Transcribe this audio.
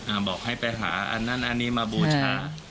บอกให้ไปหาอันนั้นอันนี้มาบูชา